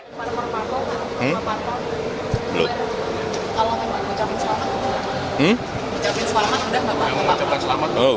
bapak ibu kalau memang ucapkan selamat ucapkan selamat sudah bapak ibu